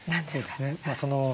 そうですね